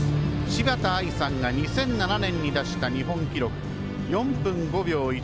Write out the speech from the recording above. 柴田亜衣さんが２００７年に出した日本記録４分５秒１９。